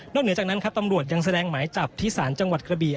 นอกเหนือจากนั้นตำรวจยังแสดงหมายจับทิศานจังหวัดกระบี